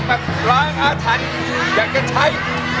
ถ้าอยากล้างอาถันอยากจะใช้